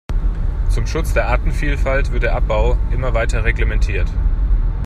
Zum Schutz der Artenvielfalt wird der Abbau immer weiter reglementiert.